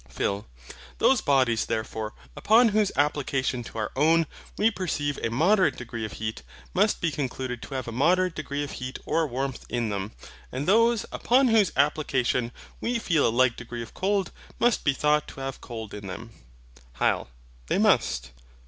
PHIL. Those bodies, therefore, upon whose application to our own, we perceive a moderate degree of heat, must be concluded to have a moderate degree of heat or warmth in them; and those, upon whose application we feel a like degree of cold, must be thought to have cold in them. HYL. They must.